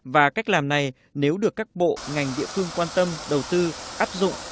và cách làm này nếu được các bộ ngành địa phương quan tâm đầu tư áp dụng